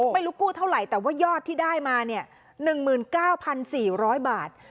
ไม่รู้กู้เท่าไหร่แต่ว่ายอดที่ได้มาเนี่ย๑๙๔๐๐บาท